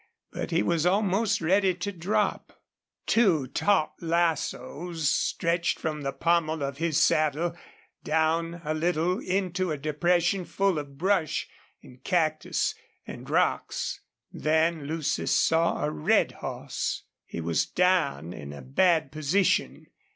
But he was almost ready to drop. Two taut lassoes stretched from the pommel of his saddle down a little into a depression full of brush and cactus and rocks. Then Lucy saw a red horse. He was down in a bad position.